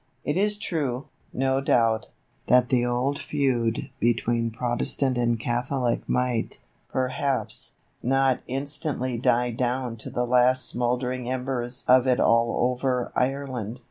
It is true, no doubt, that the old feud between Protestant and Catholic might, perhaps, not instantly die down to the last smouldering embers of it all over Ireland.